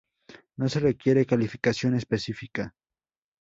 No se requiere calificación específica.